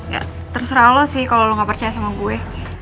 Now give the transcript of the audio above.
gak terserah lo sih kalau lo gak percaya sama gue